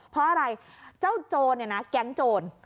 เพราะอะไรเจ้าโจรเนี่ยนะแก๊งโจร